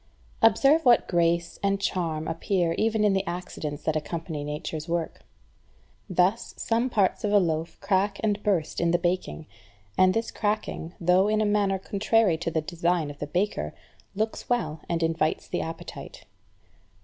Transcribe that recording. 2. Observe what grace and charm appear even in the accidents that accompany Nature's work. Thus some parts of a loaf crack and burst in the baking; and this cracking, though in a manner contrary to the design of the baker, looks well and invites the appetite.